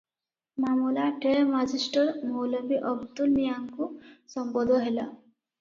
ମାମଲା ଡେଃ ମାଜିଷ୍ଟର ମୌଲବୀ ଅବଦୁଲ ମିଆଁଙ୍କୁ ସମ୍ପୋଦ ହେଲା ।